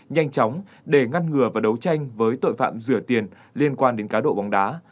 nhanh chóng để ngăn ngừa và đấu tranh với tội phạm rửa tiền liên quan đến cá độ bóng đá